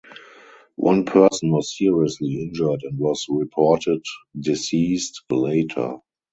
One person was seriously injured and was reported deceased later.